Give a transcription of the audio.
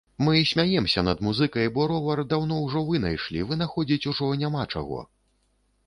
Мы смяемся над музыкай, бо ровар даўно ўжо вынайшлі, вынаходзіць ужо няма чаго.